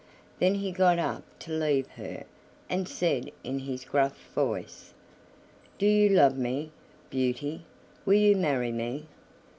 Then he got up to leave her, and said in his gruff voice: "Do you love me, Beauty? Will you marry me?"